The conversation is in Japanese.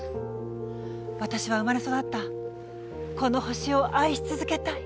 私は生まれ育ったこの地球を愛し続けたい。